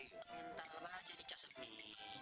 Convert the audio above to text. cinta lah jadi cak semin